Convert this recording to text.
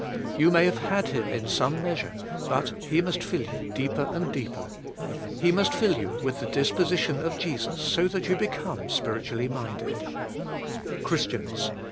You may have had Him in some 22 taK SPIRITUAI, LIFK. measure but He must fill you deeper and deeper. He must fill you with the disposition of Jesus so that 3^ou become spiritually minded. Christians!